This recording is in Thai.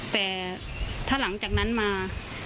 แต่ถ้าหลังจากนั้นมา